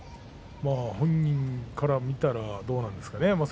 本人から見たらどうなんですかね